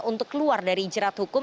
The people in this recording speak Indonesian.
untuk keluar dari jerat hukum